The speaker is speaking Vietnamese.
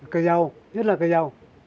cây rau nhất là cây rau